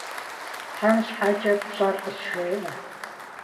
Тхьэм щхьэкӏэ пщӏэр къызжеӏэ!